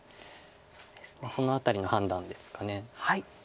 その辺りの判断ですか。